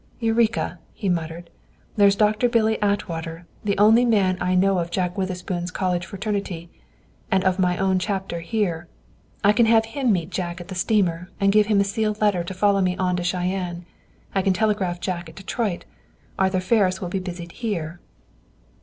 "Eureka!" he muttered. "There's Doctor Billy Atwater, the only man I know of Jack Witherspoon's college fraternity, and of my own Chapter here. I can have him meet Jack at the steamer and give him a sealed letter to follow me on to Cheyenne. I can telegraph Jack at Detroit. Arthur Ferris will be busied here."